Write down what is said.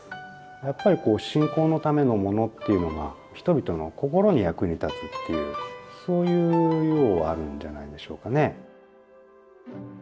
やっぱり信仰のためのものっていうのが人々の心に役に立つっていうそういう用はあるんじゃないでしょうかね。